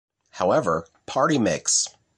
However, Party Mix!